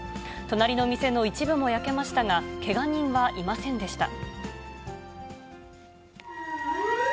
隣の店の一部も焼けましたが、けが人はいませんでした。